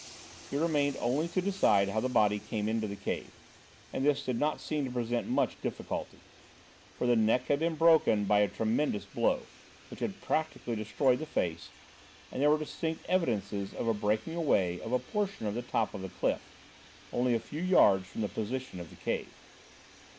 It remained only to decide how the body came into the cave; and this did not seem to present much difficulty; for the neck had been broken by a tremendous blow, which had practically destroyed the face, and there were distinct evidences of a breaking away of a portion of the top of the cliff, only a few yards from the position of the cave.